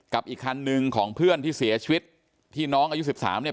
กับอีกคันนึงของเพื่อนที่เสียชีวิตที่น้องอายุสิบสามเนี้ย